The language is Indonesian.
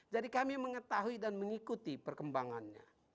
jadi kami mengetahui dan mengikuti perkembangannya